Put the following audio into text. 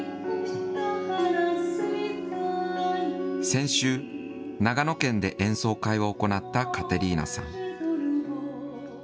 先週、長野県で演奏会を行ったカテリーナさん。